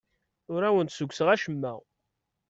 Ur awen-d-ssukkseɣ acemma.